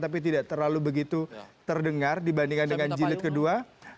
tapi tidak terlalu begitu terdengar dibandingkan dengan jilid kedua